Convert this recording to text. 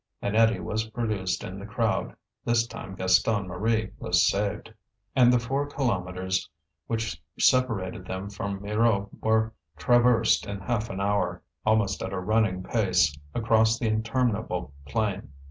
An eddy was produced in the crowd; this time Gaston Marie was saved. And the four kilometres which separated them from Mirou were traversed in half an hour, almost at running pace, across the interminable plain.